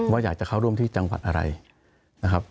ว่าอยากจะเข้าร่วมที่จังหวัดอะไรนะครับ